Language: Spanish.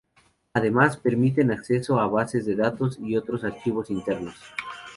Además, permiten acceso a bases de datos y otros archivos internos.